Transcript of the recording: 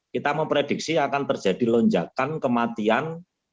kita memprediksi akan terjadi lonjakan kematian